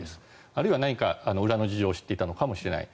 あるいは何か、裏の事情を知っていたのかもしれない。